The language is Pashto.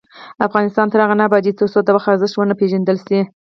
افغانستان تر هغو نه ابادیږي، ترڅو د وخت ارزښت ونه پیژندل شي.